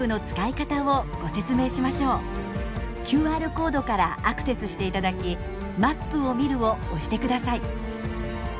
ＱＲコードからアクセスしていただき「Ｍａｐを見る」を押してください。